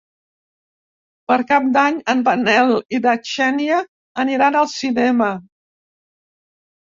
Per Cap d'Any en Manel i na Xènia aniran al cinema.